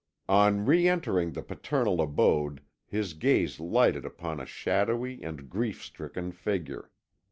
On re entering the paternal abode his gaze lighted upon a shadowy and grief stricken figure.